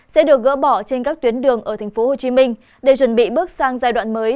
sẽ được gỡ bỏ trên các tuyến đường ở tp hcm để chuẩn bị bước sang giai đoạn mới